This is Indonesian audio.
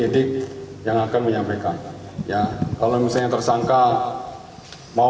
tim gabungan independen mencari fakta